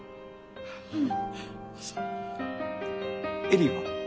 恵里は？